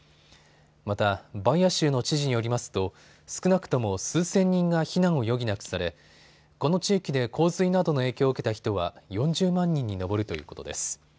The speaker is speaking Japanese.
またバイア州の知事によりますと少なくとも数千人が避難を余儀なくされ、この地域で洪水などの影響を受けた人は４０万人に上るということです。